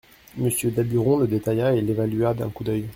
Monsieur Daburon le détailla et l'évalua d'un coup d'œil.